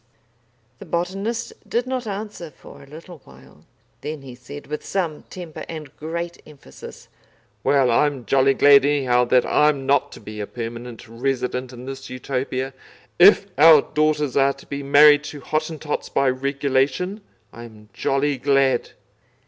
The botanist did not answer for a little while. Then he said, with some temper and great emphasis: "Well, I'm jolly glad anyhow that I'm not to be a permanent resident in this Utopia, if our daughters are to be married to Hottentots by regulation. I'm jolly glad."